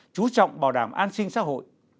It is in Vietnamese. chú trọng bảo đảm an sinh xã hội